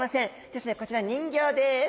ですのでこちら人形です。